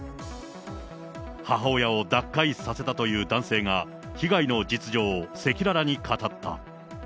母親を脱会させたという男性が、被害の実情を赤裸々に語った。